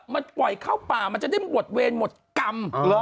มันปล่อยเข้าป่ามันจะได้หมดเวรหมดกรรม